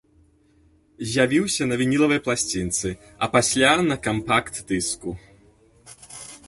З'явіўся на вінілавай пласцінцы, а пасля на кампакт-дыску.